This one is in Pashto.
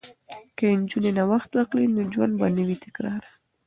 که نجونې نوښت وکړي نو ژوند به نه وي تکراري.